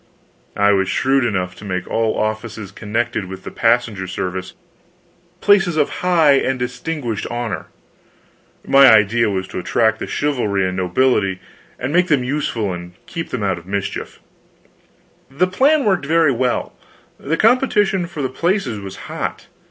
I was shrewd enough to make all offices connected with the passenger service places of high and distinguished honor. My idea was to attract the chivalry and nobility, and make them useful and keep them out of mischief. The plan worked very well, the competition for the places was hot.